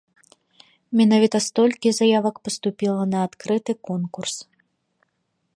Менавіта столькі заявак паступіла на адкрыты конкурс.